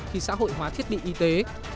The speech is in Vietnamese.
khi xã hội hóa thiết bị y tế